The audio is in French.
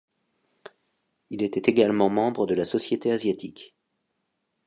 Il était également membre de la Société asiatique.